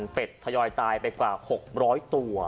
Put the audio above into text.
เป็ดทยอยตายไปกว่าหกร้อยตัว